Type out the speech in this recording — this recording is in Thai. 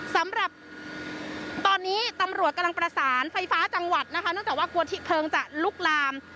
สำหรับตอนนี้ตำรวจกำลังประสานไฟฟ้าจังหวัดนะคะเนื่องจากว่ากลัวที่เพลิงจะลุกลาม